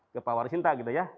ke pawarsinta gitu ya